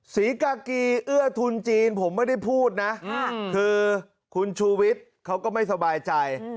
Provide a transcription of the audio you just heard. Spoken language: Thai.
ศรีกากีเอื้อทุนจีนผมไม่ได้พูดนะคือคุณชูวิทย์เขาก็ไม่สบายใจ